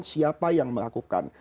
siapa yang melakukan